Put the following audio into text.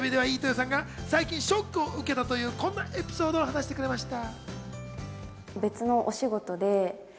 インタビューでは飯豊さんが最近ショックを受けたという、こんなエピソードを話してくれました。